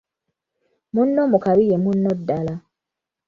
Munno mu kabi ye munno ddaala.